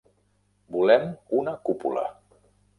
Volem una cúpula!